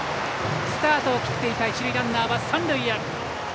スタートを切っていた一塁ランナーは三塁へ。